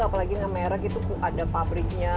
apalagi yang merek itu ada pabriknya